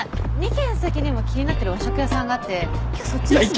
２軒先にも気になってる和食屋さんがあって今日そっちにしない？